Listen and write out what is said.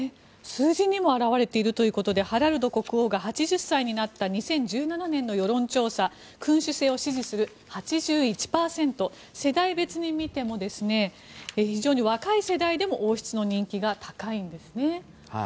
数字にも表れているということでハラルド国王が８０歳になった２０１７年の世論調査君主制を支持する、８１％世代別に見ても非常に若い世代でも王室の人気が高いんです。